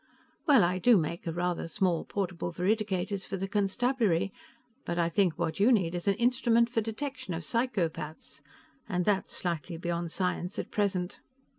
"Well, I do make rather small portable veridicators for the constabulary, but I think what you need is an instrument for detection of psychopaths, and that's slightly beyond science at present.